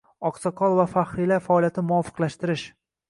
Oqsoqollar va faxriylar faoliyatini muvofiqlashtirish